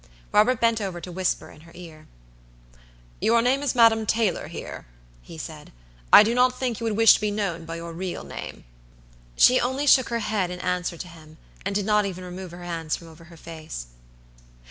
Robert bent over to whisper in her ear. "Your name is Madam Taylor here," he said. "I do not think you would wish to be known by your real name." She only shook her head in answer to him, and did not even remove her hands from over her face.